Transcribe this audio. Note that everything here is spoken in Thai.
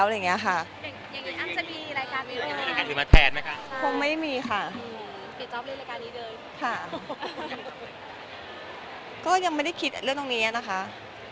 สถิติภาพที่ดีกว่านี้เป็นอย่างไรครับ